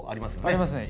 ありますね。